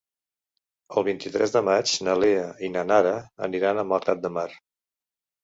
El vint-i-tres de maig na Lea i na Nara aniran a Malgrat de Mar.